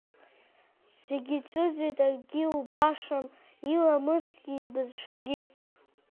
Зегь ицәыӡит, акгьы убашам, иламысгьы, ибызшәагьы…